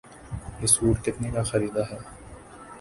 یہ سوٹ کتنے کا خریدا ہے؟